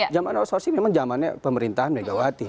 jaman outsourcing memang jaman pemerintahan negawati